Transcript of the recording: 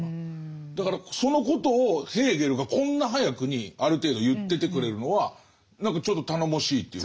だからそのことをヘーゲルがこんな早くにある程度言っててくれるのは何かちょっと頼もしいというか。